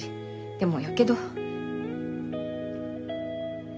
でもやけど。